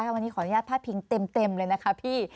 วันนี้ขออนุญาตพาดพิงเต็มเลยนะคะพี่